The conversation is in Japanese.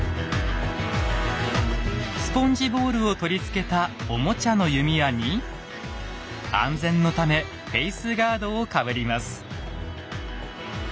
スポンジボールを取り付けたおもちゃの弓矢に安全のためフェイスガードをかぶります。